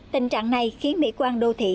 tình trạng này khiến mỹ quan đô thị